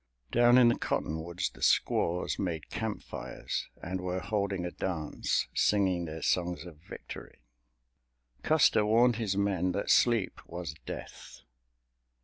Down in the cottonwoods the squaws made campfires and were holding a dance, singing their songs of victory. Custer warned his men that sleep was death.